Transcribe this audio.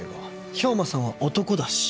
兵馬さんは男だし。